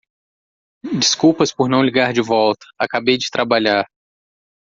Desculpas por não ligar de volta. Acabei de trabalhar.